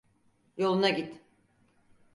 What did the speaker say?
Yoluna git.